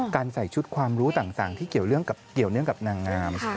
ใส่ชุดความรู้ต่างที่เกี่ยวเนื่องกับนางงาม